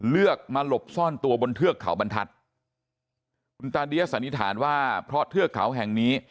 เลือกมาหลบซ่อนตัวบนเทือกเขาบรรทัศน์คุณตาเดียสันนิษฐานว่าเพราะเทือกเขาแห่งนี้